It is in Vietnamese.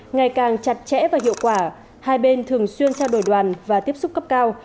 ngày càng chặt chẽ và hiệu quả hai bên thường xuyên trao đổi đoàn và tiếp xúc cấp cao